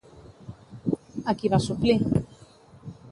A qui va suplir?